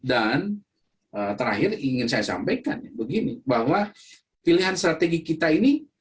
terakhir ingin saya sampaikan begini bahwa pilihan strategi kita ini